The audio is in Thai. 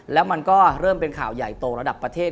แล้วมันก็เริ่มเป็นข่าวใหญ่โตระดับประเทศ